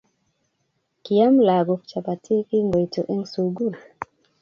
Kiam lagook chapatik kingoitu eng sugul